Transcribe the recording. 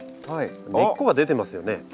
根っこが出てますよね。